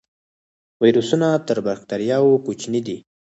ویروسونه تر بکتریاوو کوچني دي